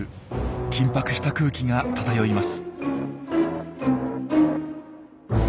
緊迫した空気が漂います。